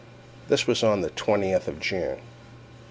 This was on the twentieth of June.